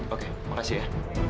oke makasih ya